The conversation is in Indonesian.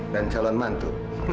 dan calon mantu